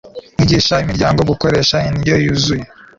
mwigisha imiryango gukoresha inryo yuzuye